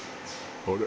「あれ？」